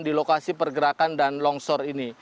di lokasi pergerakan dan longsor ini